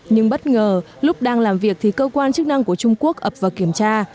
nhưng bất ngờ lúc đang làm việc thì cơ quan chức năng của trung quốc ập vào kiểm tra